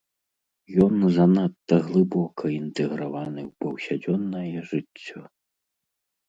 Ён занадта глыбока інтэграваны ў паўсядзённае жыццё.